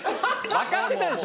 分かってたでしょ